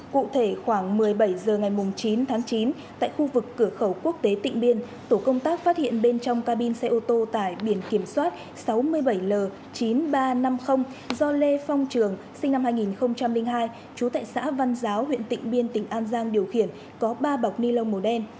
cụ thể khoảng một mươi bảy h ngày chín tháng chín tại khu vực cửa khẩu quốc tế tịnh biên tổ công tác phát hiện bên trong cabin xe ô tô tải biển kiểm soát sáu mươi bảy l chín nghìn ba trăm năm mươi do lê phong trường sinh năm hai nghìn hai trú tại xã văn giáo huyện tịnh biên tỉnh an giang điều khiển có ba bọc ni lông màu đen